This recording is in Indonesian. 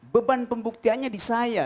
beban pembuktianya di saya